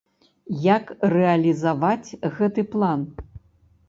Як рэалізаваць гэты план?